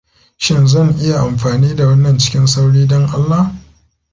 Shin zan iya amfani da wannan cikin sauri dan Allah?